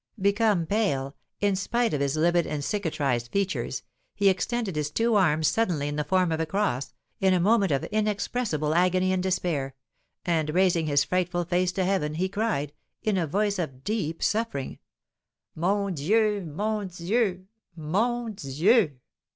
Become pale, in spite of his livid and cicatrised features, he extended his two arms suddenly in the form of a cross, in a moment of inexpressible agony and despair, and, raising his frightful face to heaven, he cried, in a voice of deep suffering: "_Mon Dieu! Mon Dieu! Mon Dieu!